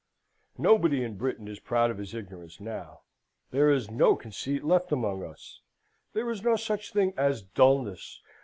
Nobody in Britain is proud of his ignorance now. There is no conceit left among us. There is no such thing as dulness.